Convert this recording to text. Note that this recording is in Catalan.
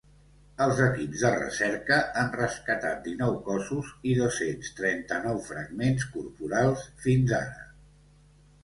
Els equips de recerca han rescatat dinou cossos i dos-cents trenta-nou fragments corporals fins ara.